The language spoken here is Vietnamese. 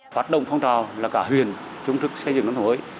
phát động phong trào là cả huyền chống trực xây dựng nông thôn mới